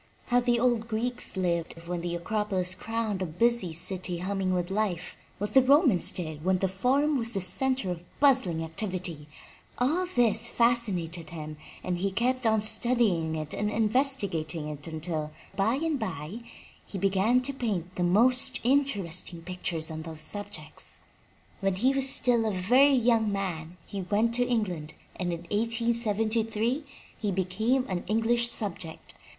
How the old Greeks lived when the Acropolis crowned a busy city hum ming with life, what the Romans did when the Fomm was a center of bustling activity — all this fascinated him and he kept on study ing it and investigating it until, by and by, he began to paint the most interesting pictures on those subjects. When he was still a very young man he went to England and in 1873 he became a British subject.